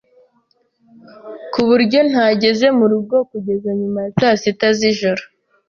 ku buryo ntageze mu rugo kugeza nyuma ya saa sita z'ijoro.